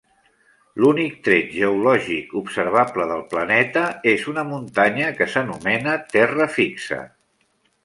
L'únic tret geològic observable del planeta és una muntanya que s'anomena "Terra Fixa".